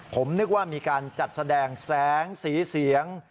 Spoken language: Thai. ผมนึกว่ามีการจัดแสดงแสงสีเสียง